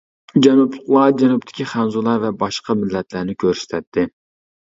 جەنۇبلۇقلار جەنۇبتىكى خەنزۇلار ۋە باشقا مىللەتلەرنى كۆرسىتەتتى.